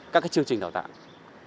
các cái chương trình đào tạo